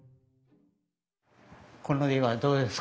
この絵はどうですか？